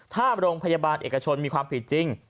ถ้าโรงพยาบาลเอกชนมีความผิดจริง